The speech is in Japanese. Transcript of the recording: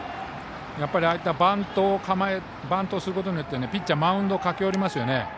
やっぱり、ああいったバントをすることによってピッチャーはマウンドに駆け寄りますよね。